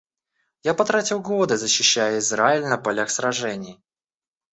Я потратил годы, защищая Израиль на полях сражений.